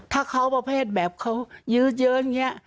ถ้าเขาประเภทแบบเขายื้อเยินอย่างนี้